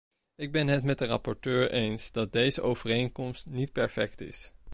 Ik ben het met de rapporteur eens dat deze overeenkomst niet perfect is.